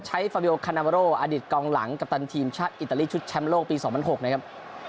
ฟาวิโอคานาวาโรอดีตกองหลังกัปตันทีมชาติอิตาลีชุดแชมป์โลกปี๒๐๐๖นะครับ